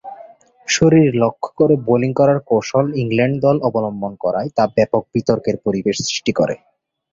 শরীর লক্ষ্য করে বোলিং করার কৌশল ইংল্যান্ড দল অবলম্বন করায় তা ব্যাপক বিতর্কের পরিবেশ সৃষ্টি করে।